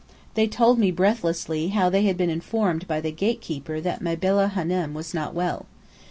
They told me breathlessly how they had been informed by the gatekeeper that "Mabella Hânem" was not well.